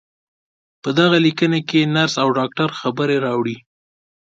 په دغې ليکنې کې د نرس او ډاکټر خبرې راوړې.